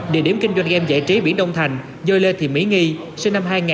địa điểm kinh doanh game giải trí biển đông thành dôi lê thì mỹ nghi sinh năm hai nghìn